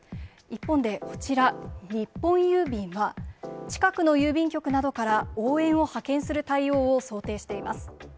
一方でこちら、日本郵便は、近くの郵便局などから応援を派遣する対応を想定しています。